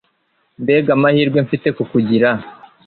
mbega amahirwe mfite kukugira